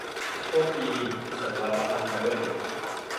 โชคดี' ส่งวันละพันเลย